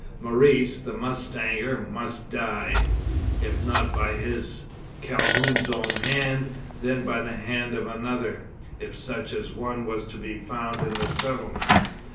Maurice, the mustanger, must die! If not by his (Calhoun's) own hand, then by the hand of another, if such an one was to be found in the settlement.